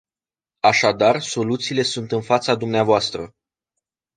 Așadar, soluțiile sunt în fața dvs.